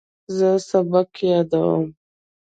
زه سبق یادوم.